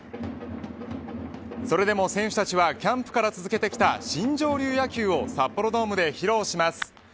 それでも選手たちはキャンプから続けてきた新庄流野球を札幌ドームで披露します。